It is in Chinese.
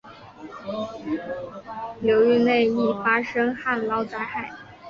流域内易发生旱涝灾害。